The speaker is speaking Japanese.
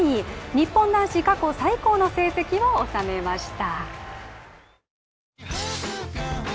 日本男子過去最高の成績を収めました。